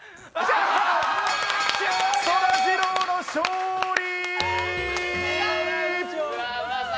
そらジローの勝利！